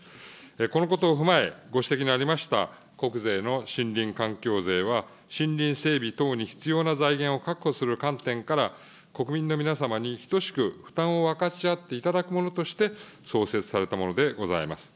このことを踏まえ、ご指摘にありました国税の森林環境税は、森林整備等に必要な財源を確保する観点から、国民の皆様に等しく負担を分かち合っていただくものとして、創設されたものでございます。